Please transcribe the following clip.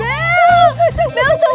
bel tungguin dong